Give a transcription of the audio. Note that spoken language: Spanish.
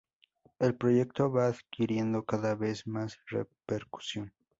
El proyecto va adquiriendo cada vez más repercusión.